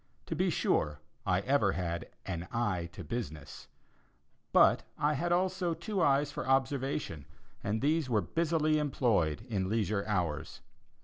To be sure, I ever had "an eye to business," but I had also two eyes for observation and these were busily employed in leisure hours.